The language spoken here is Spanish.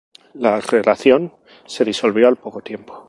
La relación se disolvió al poco tiempo.